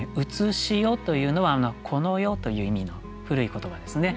「現世」というのは「この世」という意味の古い言葉ですね。